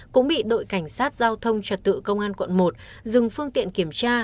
cũng bị đội cảnh sát giao thông trật tự công an quận một dừng phương tiện kiểm tra